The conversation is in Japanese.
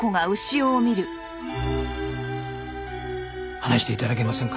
話して頂けませんか？